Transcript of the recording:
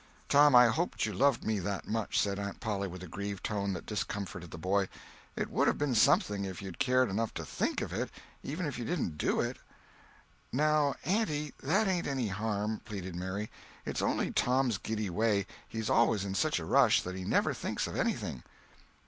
"Tom, I hoped you loved me that much," said Aunt Polly, with a grieved tone that discomforted the boy. "It would have been something if you'd cared enough to think of it, even if you didn't do it." "Now, auntie, that ain't any harm," pleaded Mary; "it's only Tom's giddy way—he is always in such a rush that he never thinks of anything."